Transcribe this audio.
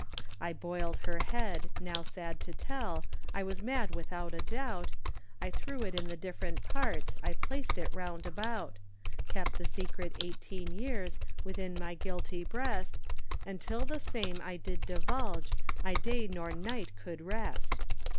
I boiled her head, how sad to tell, I was mad without a doubt, I threw it in the different parts, I placed it round about; Kept the secret eighteen years, Within my guilty breast, And till the same I did divulge, I day nor night could rest.